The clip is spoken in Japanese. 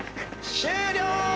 終了！